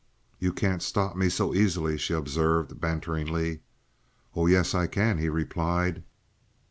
"You can't stop me so easily," she observed, banteringly. "Oh yes, I can," he replied.